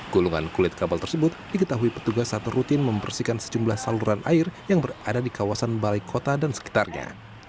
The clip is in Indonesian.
gulungan kulit kabel tersebut diketahui petugas saat rutin membersihkan sejumlah saluran air yang berada di kawasan balai kota dan sekitarnya